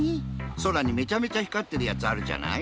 そらにめちゃめちゃ光ってるやつあるじゃない？